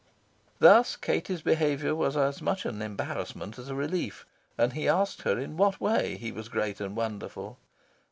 Thus Katie's behaviour was as much an embarrassment as a relief; and he asked her in what way he was great and wonderful.